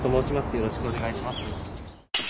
よろしくお願いします。